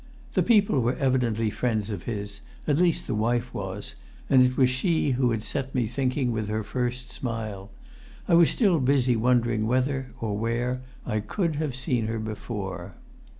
The people were evidently friends of his; at least the wife was, and it was she who had set me thinking with her first smile. I was still busy wondering whether, or where, I could have seen her before.